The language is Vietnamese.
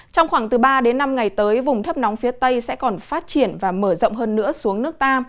trong khoảng từ ba đến năm ngày tới vùng thấp nóng phía tây sẽ còn phát triển và mở rộng hơn nữa xuống nước ta